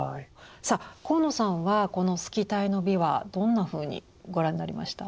さあ鴻野さんはこのスキタイの美はどんなふうにご覧になりました？